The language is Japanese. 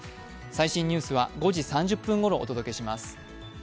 最新ニュースは５時３０分ごろお伝えします。